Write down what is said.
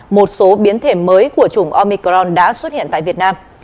một số biến thể mới của chủng omicron đã xuất hiện tại việt nam